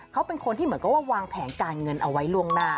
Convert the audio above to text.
เขาเป็นคนที่เหมือนกับว่าวางแผนการเงินเอาไว้ล่วงหน้า